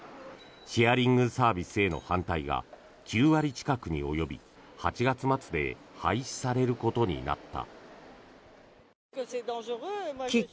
シェアリングサービスへの反対が９割近くに及び８月末で廃止されることになった。